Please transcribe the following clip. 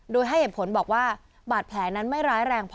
โดยให้เหตุผลบอกว่าบาดแผลนั้นไม่ร้ายแรงพอ